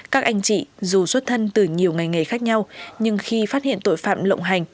các anh chị dù xuất thân từ nhiều ngành nghề khác nhau nhưng khi phát hiện tội phạm lộng hành